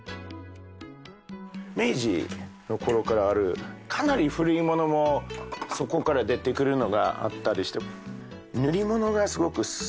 明治の頃からあるかなり古いものもそこから出てくるのがあったりして。